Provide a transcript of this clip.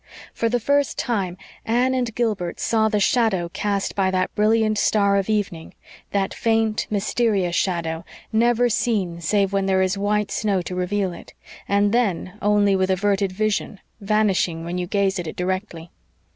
For the first time Anne and Gilbert saw the shadow cast by that brilliant star of evening, that faint, mysterious shadow, never seen save when there is white snow to reveal it, and then only with averted vision, vanishing when you gaze at it directly.